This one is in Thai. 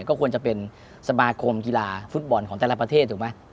ก็ควรจะเป็นสมาคมกีฬาฟุตบอลของแต่ละประเทศถูกไหม